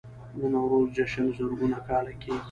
د نوروز جشن زرګونه کاله کیږي